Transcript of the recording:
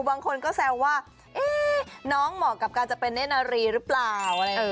บางคนก็แซวว่าน้องเหมาะกับการจะเป็นเนธนารีหรือเปล่า